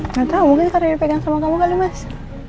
nggak tau mungkin karena dia pegang sama kamu kali mas